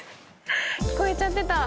聞こえちゃってた